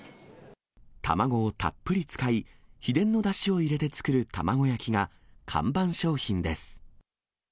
卵をたっぷり使い、秘伝のだしを入れて作る卵焼きが看板商品です。